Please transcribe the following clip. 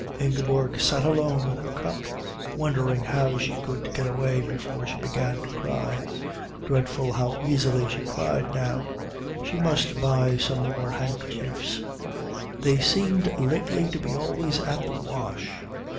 Ingeborg sat alone with her cup, wondering how she could get away before she began to cry. Dreadful how easily she cried now. She must buy some more handkerchiefs. They seemed lately to be always at the wash.